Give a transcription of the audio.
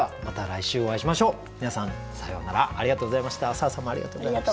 砂羽さんもありがとうございました。